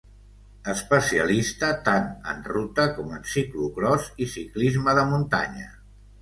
Especialista tant en ruta, com en ciclocròs i ciclisme de muntanya.